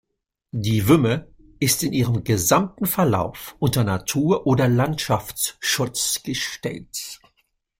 Die Wümme ist in ihrem gesamten Verlauf unter Natur- oder Landschaftsschutz gestellt.